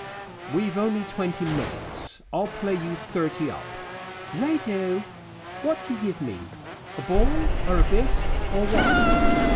"We've only twenty minutes. I'll play you thirty up." "Right o. What do you give me a ball or a bisque or what?"